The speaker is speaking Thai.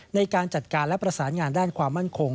ในการจัดการและประสานงานด้านความมั่นคง